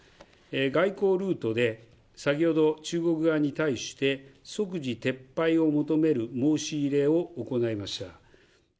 外交ルートで先ほど中国側に対して、即時撤廃を求める申し入れを行いました。